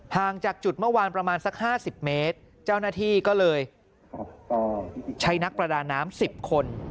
ห่างจากจุดเมื่อวานประมาณสัก๕๐เมตรเจ้าหน้าที่ก็เลยใช้นักประดาน้ำ๑๐คน